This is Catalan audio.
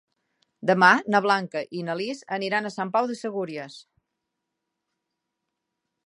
Demà na Blanca i na Lis aniran a Sant Pau de Segúries.